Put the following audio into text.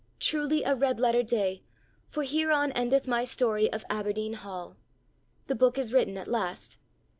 Truly a red letter day, for hereon endeth my story of 'Aberdeen Hall.' The book is written at last.